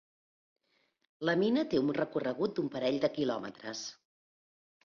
La mina té un recorregut d'un parell de kilòmetres.